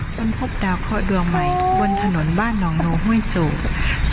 จนพบดาวเคาะดวงใหม่บนถนนบ้านนองโน้วห้วยจูกโอ้โฮ